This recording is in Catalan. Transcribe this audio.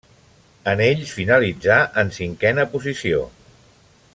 En ells finalitzà en cinquena posició.